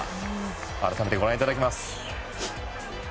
改めてご覧いただきます。